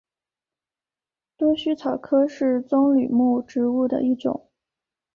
多须草科是棕榈目植物的一科。